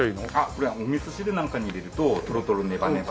これはおみそ汁なんかに入れるとトロトロネバネバ。